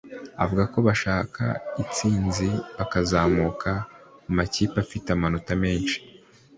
avuga ko bashaka intsinzi bakazamuka mu makipe afite amanota menshi